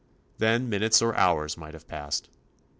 Then minutes or hours might have passed.